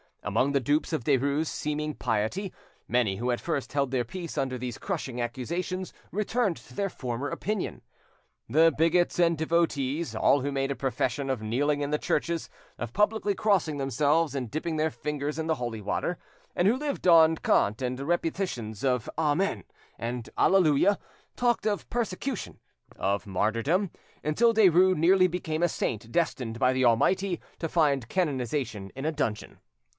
Among the dupes of Derues' seeming piety, many who at first held their peace under these crushing accusations returned to their former opinion. The bigots and devotees, all who made a profession of kneeling in the churches, of publicly crossing themselves and dipping their fingers in the holy water, and who lived on cant and repetitions of "Amen" and "Alleluia," talked of persecution, of martyrdom, until Derues nearly became a saint destined by the Almighty to find canonisation in a dungeon.